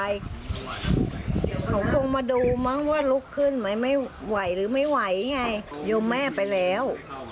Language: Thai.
โยงแม่ไปแล้ว